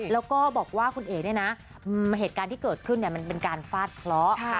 แล้วก็บอกว่าคุณเอ๋เนี่ยนะเหตุการณ์ที่เกิดขึ้นมันเป็นการฟาดเคราะห์